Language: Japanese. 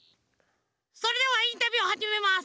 それではインタビューをはじめます。